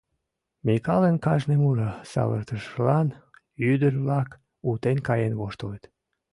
Микалын кажне муро савыртышыжлан ӱдыр-влак утен каен воштылыт.